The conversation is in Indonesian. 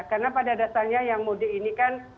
karena pada dasarnya yang mudik ini kan